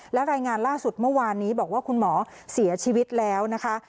และรายงานล่าสุดเมื่อวานนี้บอกว่าคุณหมอเสียชีวิตแล้วนะคะ